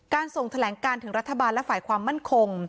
ส่งแถลงการถึงรัฐบาลและฝ่ายความมั่นคง